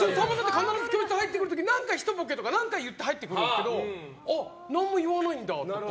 必ず教室入ってくる時に何か、ひとボケをして入ってくるんですけど何も言わないんだって。